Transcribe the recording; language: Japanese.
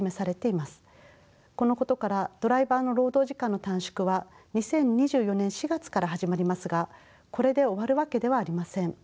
このことからドライバーの労働時間の短縮は２０２４年４月から始まりますがこれで終わるわけではありません。